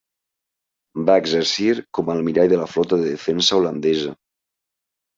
Va exercir com a almirall de la Flota de Defensa holandesa.